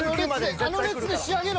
あの列で仕上げろ。